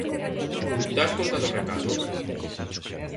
Das conta do recado?